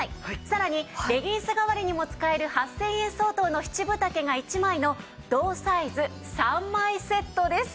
さらにレギンス代わりにも使える８０００円相当の７分丈が１枚の同サイズ３枚セットです。